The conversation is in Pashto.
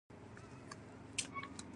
د احمد او علي ترمنځ د لانجو پرېکړې وشولې.